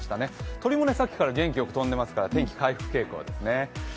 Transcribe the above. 鳥もさっきから元気よく飛んでますから、天気回復傾向ですね。